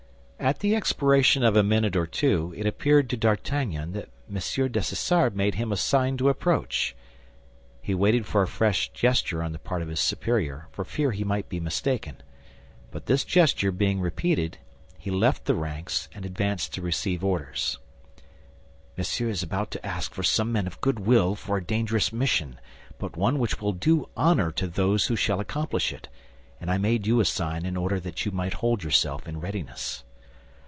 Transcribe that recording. At the expiration of a minute or two, it appeared to D'Artagnan that M. Dessessart made him a sign to approach. He waited for a fresh gesture on the part of his superior, for fear he might be mistaken; but this gesture being repeated, he left the ranks, and advanced to receive orders. "Monsieur is about to ask for some men of good will for a dangerous mission, but one which will do honor to those who shall accomplish it; and I made you a sign in order that you might hold yourself in readiness."